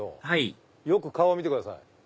はいよく顔見てください。